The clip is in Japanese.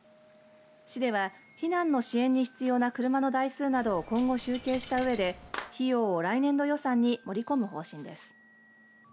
市では避難の支援に必要な車の台数などを今後集計したうえで費用を来年度予算に盛り込む方針です。